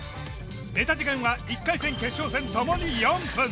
ネタ時間は１回戦決勝戦ともに４分。